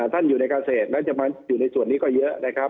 ท่านอยู่ในเกษตรแล้วจะมาอยู่ในส่วนนี้ก็เยอะนะครับ